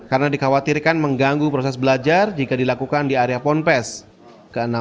karena dikhawatirkan mengganggu proses belajar jika dilakukan di area pondok pesantren